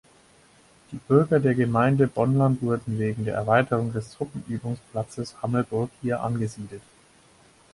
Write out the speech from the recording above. Die Bürger der Gemeinde Bonnland wurden wegen der Erweiterung des Truppenübungsplatzes Hammelburg hier angesiedelt.